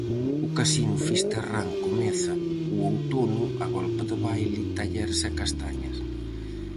O casino fisterrán comeza o outono a golpe de baile, talleres e castañas.